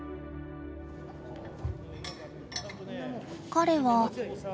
彼は。